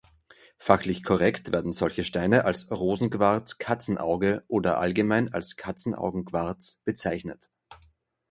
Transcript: Fachlich korrekt werden solche Steine als „Rosenquarz-Katzenauge“ oder allgemein als Katzenaugen-Quarz bezeichnet.